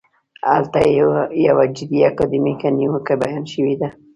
هلته یوه جدي اکاډمیکه نیوکه بیان شوې ده.